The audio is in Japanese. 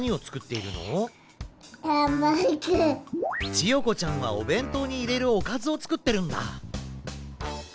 ちよこちゃんはおべんとうにいれるおかずをつくってるんだ。